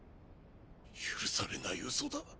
許されない嘘だ。